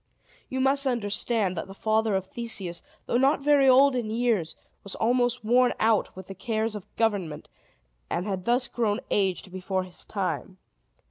You must understand that the father of Theseus, though not very old in years, was almost worn out with the cares of government, and had thus grown aged before his time.